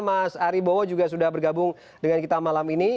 mas ari bowo juga sudah bergabung dengan kita malam ini